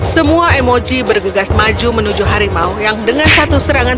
semua emoji bergegas maju menuju harimau yang dengan satu serangan